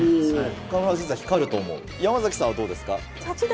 川村先生は光ると思う山崎さんはどうですか？